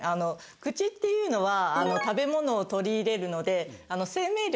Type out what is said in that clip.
口っていうのは食べ物を取り入れるので。